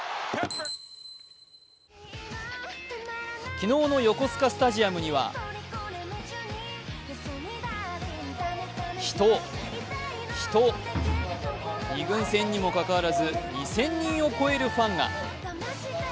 昨日の横須賀スタジアムには人、人、２軍戦にもかかわらず２０００人を超えるファンが。